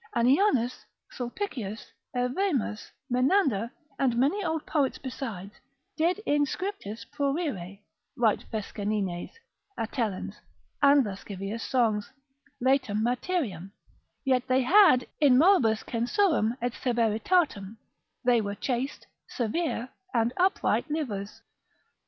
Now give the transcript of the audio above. Annianus, Sulpicius, Evemus, Menander, and many old poets besides, did in scriptis prurire, write Fescennines, Atellans, and lascivious songs; laetam materiam; yet they had in moribus censuram, et severitatem, they were chaste, severe, and upright livers.